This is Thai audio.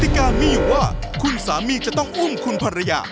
การมีอยู่ว่าคุณสามีจะต้องอุ้มคุณภรรยา